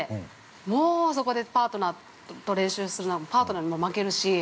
もう、そこでパートナーと練習するとパートナーにも負けるし。